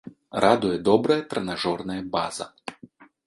Радуе добрая трэнажорная база.